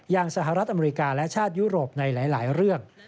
สหรัฐอเมริกาและชาติยุโรปในหลายเรื่อง